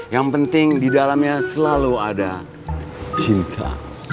yang penting di dalamnya selalu ada cinta